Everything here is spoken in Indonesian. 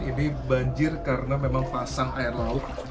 ini banjir karena memang pasang air laut